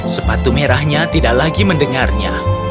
sepatu merahnya tidak lagi mendengarnya